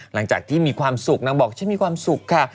หลังจากที่มีความสุขนางบอกฉันมีความสุขค่ะ